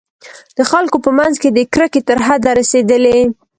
د خلکو په منځ کې د کرکې تر حده رسېدلي.